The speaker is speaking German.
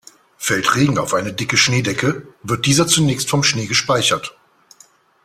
Fällt Regen auf eine dicke Schneedecke, wird dieser zunächst vom Schnee gespeichert.